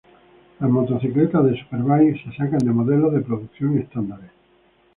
Las motocicletas de superbike se sacan de modelos de producción estándares.